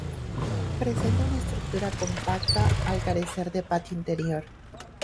Presenta una estructura compacta al carecer de patio interior.